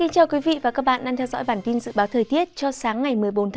các bạn hãy đăng ký kênh để ủng hộ kênh của chúng mình nhé